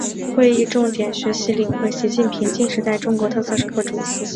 会议重点学习领会习近平新时代中国特色社会主义思想